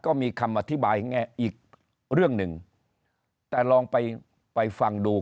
ก็มีคำอธิบายแง่อีกเรื่องหนึ่งแต่ลองไปไปฟังดู